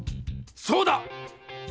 そうだ！